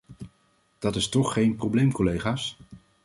Dat is toch geen probleem, collega's.